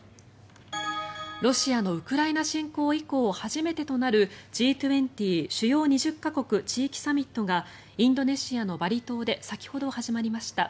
ロシアのウクライナ侵攻以降初めてとなるＧ２０＝主要２０か国・地域サミットがインドネシアのバリ島で先ほど始まりました。